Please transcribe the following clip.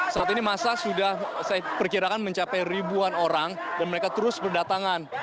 saat ini masa sudah saya perkirakan mencapai ribuan orang dan mereka terus berdatangan